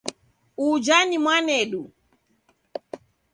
Uja ni mwanidu